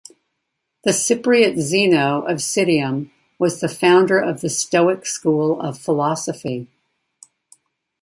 The Cypriot Zeno of Citium was the founder of the Stoic School of Philosophy.